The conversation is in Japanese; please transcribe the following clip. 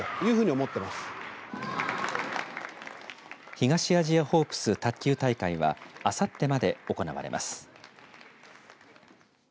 東アジアホープス卓球大会はあさってまで行われます。